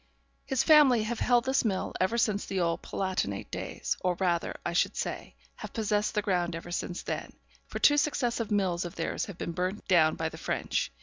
'His family have held this mill ever since the old Palatinate days; or rather, I should say, have possessed the ground ever since then, for two successive mills of theirs have been burnt down by the French.